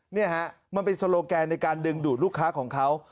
นี่ฮะมันเป็นโซโลแกนในการดึงดูดลูกค้าของเขา